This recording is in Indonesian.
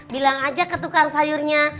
bilang aja ke tukang sayurnya